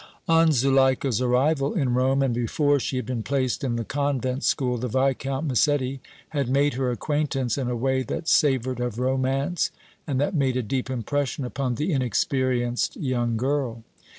On Zuleika's arrival in Rome and before she had been placed in the convent school, the Viscount Massetti had made her acquaintance in a way that savored of romance and that made a deep impression upon the inexperienced young girl.